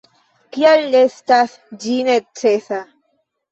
Kial estas ĝi necesa.